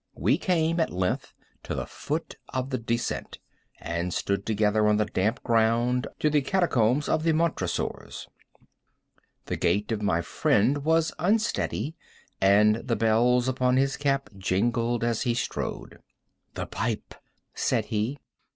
We came at length to the foot of the descent, and stood together on the damp ground of the catacombs of the Montresors. The gait of my friend was unsteady, and the bells upon his cap jingled as he strode. "The pipe," said he.